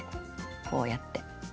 こうやって。